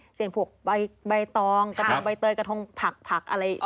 เสียงพวกใบตองใบเตยกระทงผักอะไร